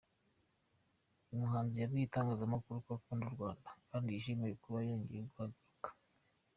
Uyu muhanzi yabwiye itangazamakuru ko akunda u Rwanda kandi yishimiye kuba yongeye kuhagaruka.